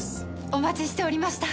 お待ちしておりました。